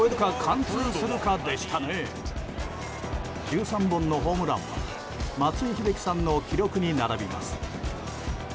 １３本のホームランは松井秀喜さんの記録に並びます。